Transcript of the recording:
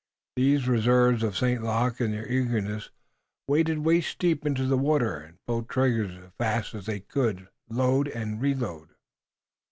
These reserves of St. Luc in their eagerness waded waist deep into the water, and pulled trigger as fast as they could load and reload.